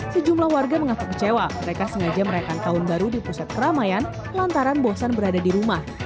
sejumlah warga mengaku kecewa mereka sengaja merayakan tahun baru di pusat keramaian lantaran bosan berada di rumah